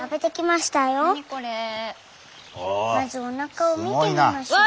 まずおなかを見てみましょう。